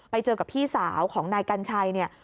ไปเจอกับพี่สาวของนายกัญชัยเนี่ย